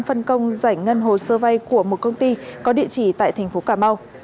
lê sơn lĩnh được cơ quan phân công giải ngân hồ sơ vay của một công ty có địa chỉ tại thành phố cà mau